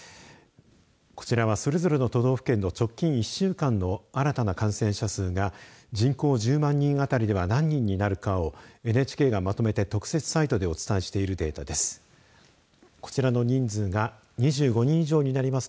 こちらはそれぞれの都道府県の直近１週間の新たな感染者数が人口１０万人あたりでは何人になるかをＮＨＫがまとめて特設サイトでお伝えしているデータです。